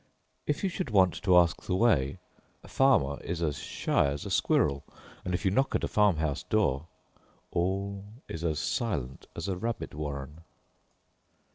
If you should want to ask the way, a farmer is as shy as a squirrel, and if you knock at a farm house door, all is as silent as a rabbit warren.